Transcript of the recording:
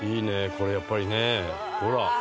これやっぱりね。ほら。